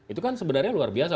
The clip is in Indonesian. itu kan sebenarnya luar biasa